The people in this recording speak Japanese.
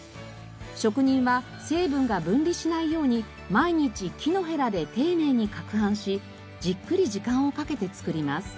職人は成分が分離しないように毎日木のヘラで丁寧に攪拌しじっくり時間をかけて作ります。